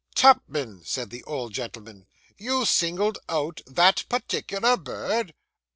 'Tupman,' said the old gentleman, 'you singled out that particular bird?